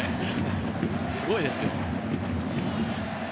すごいですよ。